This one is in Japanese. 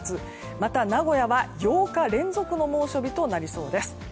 また、名古屋は８日連続の猛暑日となりそうです。